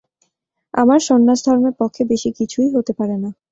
আমার সন্ন্যাসধর্মের পক্ষে বেশি কিছুই হতে পারে না।